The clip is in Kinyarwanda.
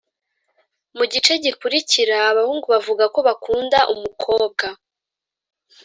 mu gice gikurikira abahungu bavuga ko bakunda umukobwa